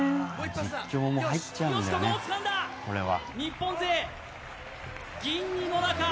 実況も入っちゃうんだよな、これは。